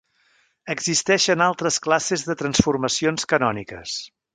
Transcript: Existeixen altres classes de transformacions canòniques.